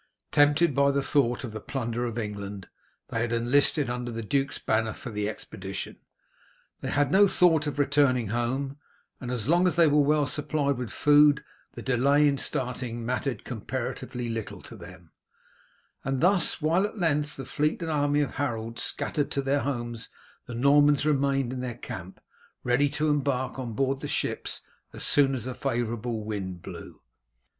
Tempted by the thought of the plunder of England, they had enlisted under the duke's banner for the expedition. They had no thought of returning home, and as long as they were well supplied with food, the delay in starting mattered comparatively little to them; and thus while at length the fleet and army of Harold scattered to their homes the Normans remained in their camp, ready to embark on board the ships as soon as a favourable wind blew.